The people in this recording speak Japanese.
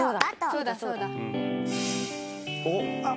そうだそうだ。おっ！